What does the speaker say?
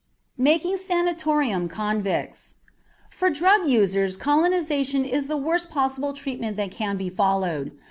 MAKING SANATORIUM CONVICTS For drug users colonization is the worst possible treatment that can be followed.